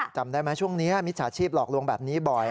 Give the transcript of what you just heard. จำได้ไหมช่วงนี้มิจฉาชีพหลอกลวงแบบนี้บ่อย